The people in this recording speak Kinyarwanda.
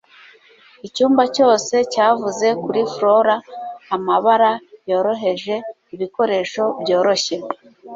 icyumba cyose cyavuze kuri flora, amabara yoroheje, ibikoresho byoroshye